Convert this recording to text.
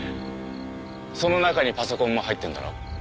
その中にパソコンも入ってんだろ？